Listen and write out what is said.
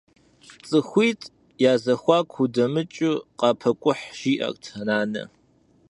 Цӏыхуитӏ язэхуаку удэмыкӏыу, къапэкӏухь, жиӏэрт нанэ.